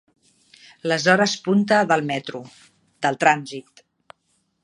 Les hores punta del metro, del trànsit.